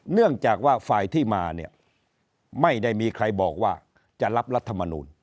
เนื่องจากว่าฝ่ายที่มาเนี่ยไม่ได้มีใครบอกว่าจะรับรัฐมนูล